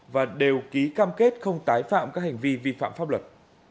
và đều ký cam kết không tái phạm các hành vi vi phạm pháp luật